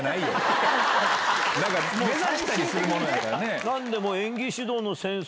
目指したりするものやからね。